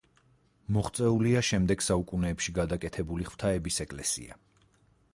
მოღწეულია შემდეგ საუკუნეებში გადაკეთებული ღვთაების ეკლესია.